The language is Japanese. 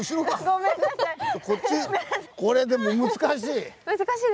これでも難しい。